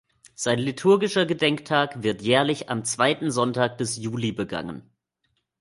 Sein liturgischer Gedenktag wird jährlich am zweiten Sonntag des Juli begangen.